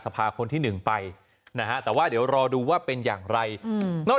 สภาคนที่หนึ่งไปนะฮะแต่ว่าเดี๋ยวรอดูว่าเป็นอย่างไรอืมนอก